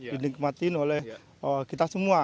dikmatikan oleh kita semua